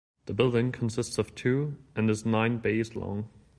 The building consists of two and is nine bays long.